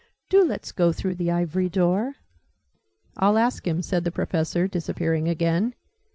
"Do let's go through the Ivory Door!" "I'll ask him," said the Professor, disappearing again.